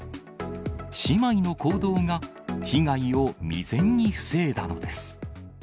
姉妹の行動が被害を未然に防いだのです。